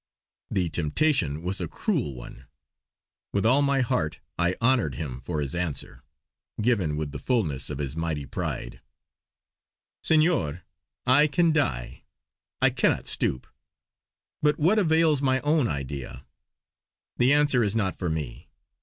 The temptation was a cruel one; with all my heart I honoured him for his answer, given with the fullness of his mighty pride: "Senor, I can die; I cannot stoop! But what avails my own idea? The answer is not for me!